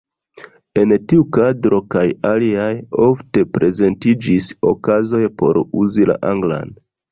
En tiu kadro kaj aliaj, ofte prezentiĝis okazoj por uzi la anglan.